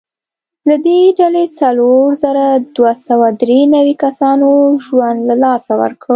له دې ډلې څلور زره دوه سوه درې نوي کسانو ژوند له لاسه ورکړ.